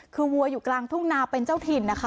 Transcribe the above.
คือวัวอยู่กลางทุ่งนาเป็นเจ้าถิ่นนะคะ